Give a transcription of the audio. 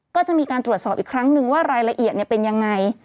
ก็จะมีการตรวจสอบอีกครั้งนึงว่ารายละเอียดเป็นยังไง